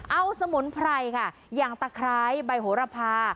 เอาสมุนไพรค่ะอย่างตะไคร้ใบโหระพา